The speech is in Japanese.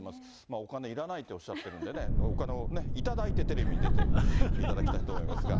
お金いらないっておっしゃってるんでね、お金をね、頂いてテレビに出ていただきたいと思いますが。